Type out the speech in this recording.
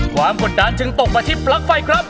กดดันจึงตกมาที่ปลั๊กไฟครับ